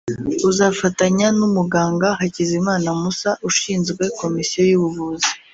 uzafatanya n’umuganga Hakizimana Mussa ushinzwe komisiyo y’ubuvuzi